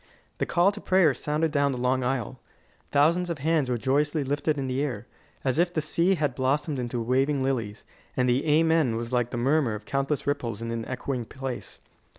The call to prayer sounded down the long aisle. Thousands of hands were joyously lifted in the air, as if the sea had blossomed into waving lilies, and the "Amen" was like the murmur of countless ripples in an echoing place.